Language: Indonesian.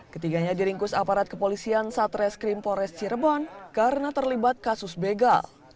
ketiganya diringkus aparat kepolisian satreskrim pores cirebon karena terlibat kasus begal